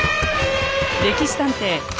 「歴史探偵」